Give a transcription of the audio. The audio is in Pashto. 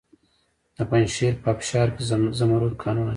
د پنجشیر په ابشار کې د زمرد کانونه دي.